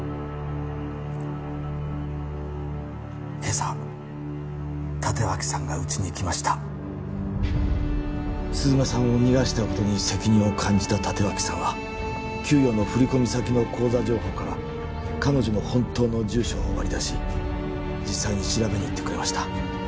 今朝立脇さんがうちに来ました鈴間さんを逃がしたことに責任を感じた立脇さんは給与の振り込み先の口座情報から彼女の本当の住所を割り出し実際に調べに行ってくれました